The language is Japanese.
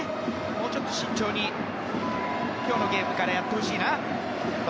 もうちょっと慎重に今日のゲームからやってほしいな。